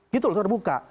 gitu loh terbuka